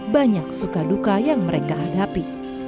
banyak suka duka yang mereka hadapi